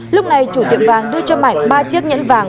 lúc này chủ tiệm vàng đưa cho mạnh ba chiếc nhẫn vàng